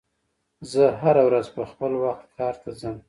زه هره ورځ په خپل وخت کار ته ځم.